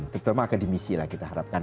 terutama akademisi lah kita harapkan